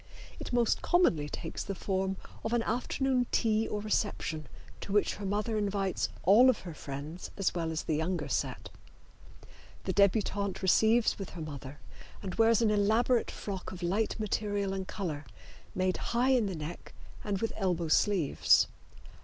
It most commonly takes the form of an afternoon tea or reception to which her mother invites all of her friends as well as the younger set. The debutante receives with her mother and wears an elaborate frock of light material and color, made high in the neck and with elbow sleeves.